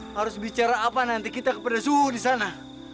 harus bicara apa nanti kita kepada suhu disana